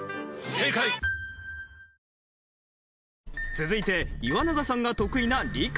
続いて岩永さんが得意な理科。